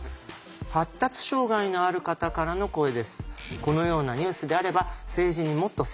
発達障害のある方からの声です。